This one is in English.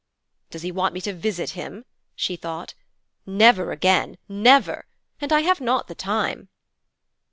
'Does he want me to visit him?' she thought. 'Never again, never. And I have not the time.'